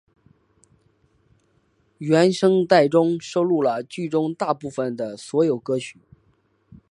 原声带中收录了剧中大部份的所有歌曲。